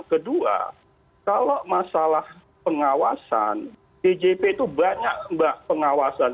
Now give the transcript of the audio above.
kedua kalau masalah pengawasan djp itu banyak mbak pengawasan